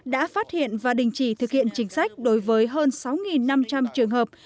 đã phát hiện và đình chỉ thực hiện chính sách đối với hơn sáu năm trăm linh trường hợp